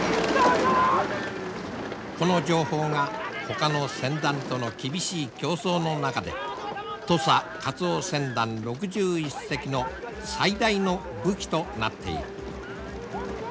この情報がほかの船団との厳しい競争の中で土佐カツオ船団６１隻の最大の武器となっている。